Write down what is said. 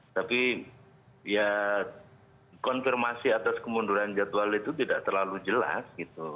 tapi ya konfirmasi atas kemunduran jadwal itu tidak terlalu jelas gitu